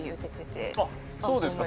あっそうですか